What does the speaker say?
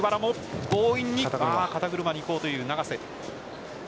肩車に行こうという永瀬。